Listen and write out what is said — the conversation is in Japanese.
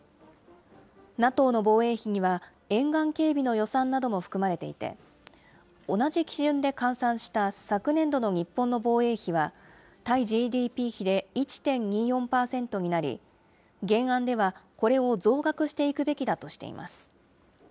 ＮＡＴＯの防衛費には沿岸警備の予算なども含まれていて、同じ基準で換算した昨年度の日本の防衛費は対ＧＤＰ比で１．２４％になり、原案ではこれを増額していくべきだとしています。